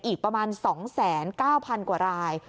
อีกประมาณ๒๙๐๐กว่าราย